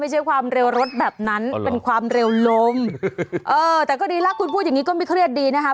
ใช้ความเร็วรถแบบนั้นเป็นความเร็วลมเออแต่ก็ดีแล้วคุณพูดอย่างงี้ก็ไม่เครียดดีนะคะ